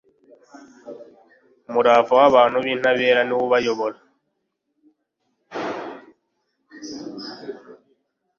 umurava w'abantu b'intabera ni wo ubayobora